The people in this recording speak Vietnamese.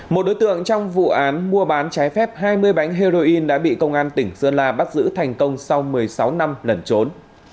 một đối tượng trong vụ án mua bán trái phép hai mươi bánh heroin đã bị công an tỉnh sơn la bắt giữ thành công sau một mươi sáu năm lẩn trốn